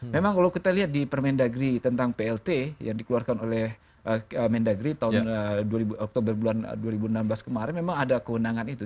memang kalau kita lihat di permendagri tentang plt yang dikeluarkan oleh mendagri tahun oktober dua ribu enam belas kemarin memang ada kewenangan itu